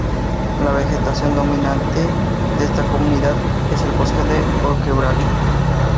La vegetación dominante en esta comunidad es el bosque de horco-quebracho.